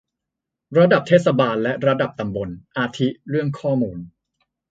ระดับเทศบาล และ ระดับตำบล อาทิ เรื่องข้อมูล